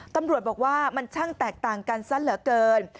ตำรวจบอกว่ามันช่างแตกต่างกันซะเหลือเกิน